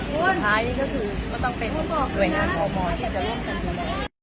แล้วสุดท้ายก็คือต้องเป็นด่วยงานพอมอที่จะร่วงกันดี